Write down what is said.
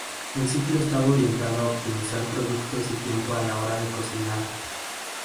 El ciclo estaba orientado a optimizar productos y tiempo a la hora de cocinar.